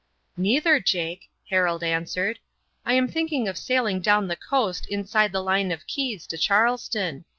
"Neither, Jake," Harold answered. "I am thinking of sailing down the coast inside the line of keys to Charleston.